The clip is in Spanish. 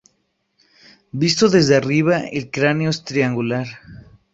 Visto desde arriba, el cráneo es triangular.